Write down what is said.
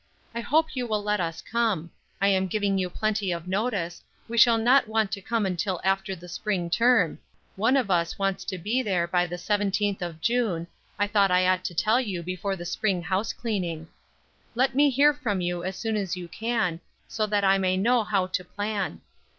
I hope you will let us come; I am giving you plenty of notice; we shall not want to come until after the spring term; one of us wants to be there by the seventeenth of June, I thought I ought to tell you before the spring house cleaning. Let me hear from you as soon as you can, so that I may know how to plan.